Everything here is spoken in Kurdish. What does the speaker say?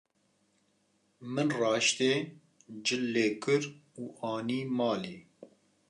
Min rahiştê, cil lê kir û anî malê.